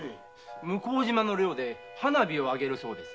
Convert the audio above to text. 向島の寮で花火を上げるそうです。